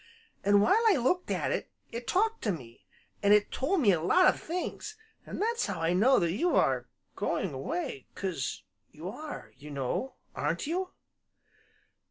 An' while I looked at it, it talked to me, an' it told me a lot of things, an' that's how I know that you are going away, 'cause you are, you know, aren't you?"